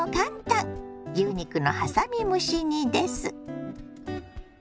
牛肉のはさみ蒸し煮です。